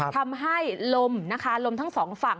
ทำให้ลมนะคะลมทั้งสองฝั่ง